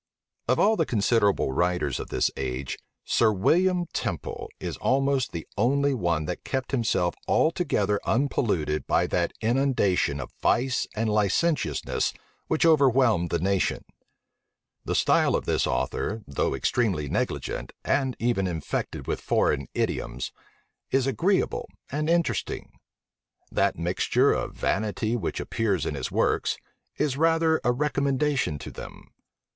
Of all the considerable writers of this age, Sir William Temple is almost the only one that kept himself altogether unpolluted by that inundation of vice and licentiousness which overwhelmed the nation. The style of this author, though extremely negligent, and even infected with foreign idioms, is agreeable and interesting. That mixture of vanity which appears in his works, is rather a recommendation to them.